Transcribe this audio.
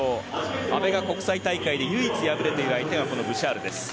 阿部が国際大会で唯一敗れている相手がこのブシャールです。